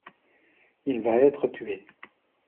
Il va être tué!